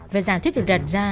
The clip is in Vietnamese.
về giải thuyết được đặt ra